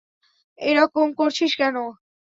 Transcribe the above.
এরকম করছিস কেন?